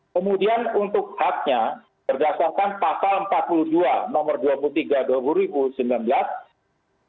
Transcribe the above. kemudian untuk haknya berdasarkan pasal empat puluh dua nomor dua puluh tiga tahun dua ribu sembilan belas